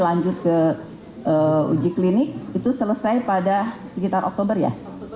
lanjut ke uji klinik itu selesai pada sekitar oktober ya